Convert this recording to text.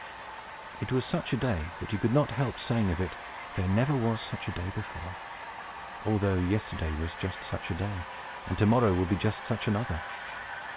It was such a day that you could not help saying of it, "There never was such a day before!" although yesterday was just such a day, and to morrow will be just such another.